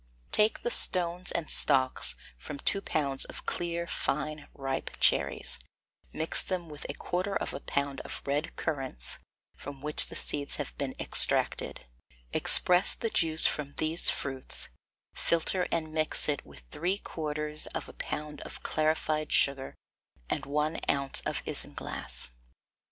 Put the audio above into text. Take the stones and stalks from two pounds of clear, fine, ripe cherries; mix them with a quarter of a pound of red currants, from which the seeds have been extracted; express the juice from these fruits; filter, and mix it with three quarters of a pound of clarified sugar, and one ounce of isinglass.